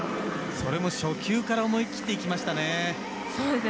それも初球から思い切っていきましたね。